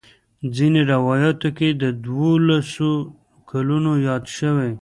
ځینې روایاتو کې د دولسو کلونو یاد شوی.